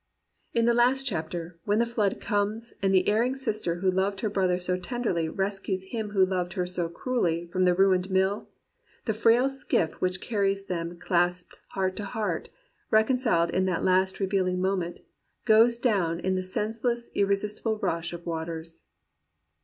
In the last chapter, when the flood comes, and the erring sister who loved her brother so tenderly, rescues him who loved her so cruelly from the ruined mill, the frail skiff which carries them clasped heart to heart, reconciled in that revealing moment, goes down in the senseless irresistible rush of waters.